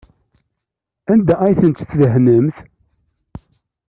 Anda ay tent-tdehnemt?